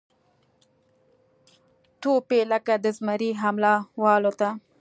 توپ یې لکه د زمري حمله والوته